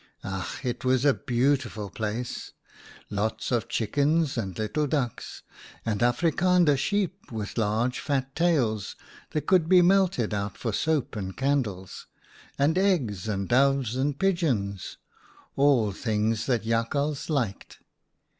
" Ach ! it was a beautiful place; lots of chickens and little ducks, and Afrikander sheep with large fat tails that could be melted out for soap and candles, and eggs, and doves and pigeons — all things that Jak hals liked.